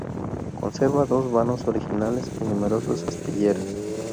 Conserva dos vanos originales y numerosas aspilleras.